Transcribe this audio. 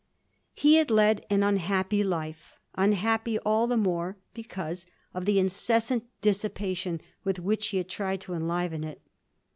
He had led an unhappy life, unhappy all the more because of the incessant dissipation with which he tried to enliven it.